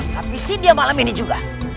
tapi si dia malam ini juga